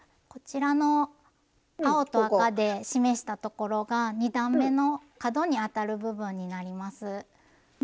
こちらの青と赤で示したところが２段めの角にあたる部分になります。